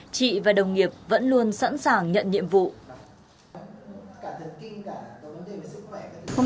chị và đồng nghiệp vẫn luôn sẵn sàng sẵn sàng sẵn sàng sẵn sàng sẵn sàng